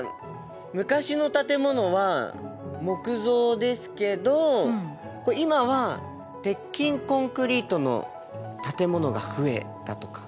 昔の建物は木造ですけど今は鉄筋コンクリートの建物が増えたとか？